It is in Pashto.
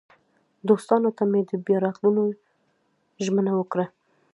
دوستانو ته مې د بیا راتلو ژمنه وکړه.